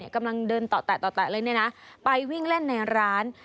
กำลังเดินต่อแตะเลยไปวิ่งเล่นในร้าน